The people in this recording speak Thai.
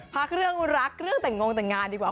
พักเรื่องรักเรื่องแต่งงแต่งงานดีกว่า